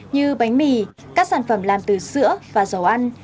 như bánh mì các sản phẩm làm từ sữa và dầu ăn